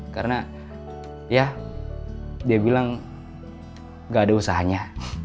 karena ya dia bilang gak ada usahanya